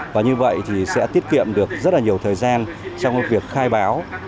và như vậy thì sẽ tiết kiệm được rất là nhiều thời gian trong việc khai báo